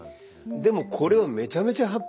でもこれはめちゃめちゃハッピーで。